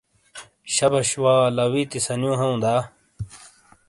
شبش وا لاوِیتی سنیو ہوں دا ؟